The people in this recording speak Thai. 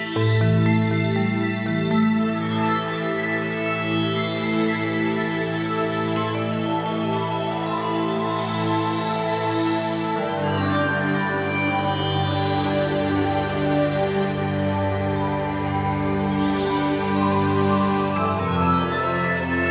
โปรดติดตามต่อไป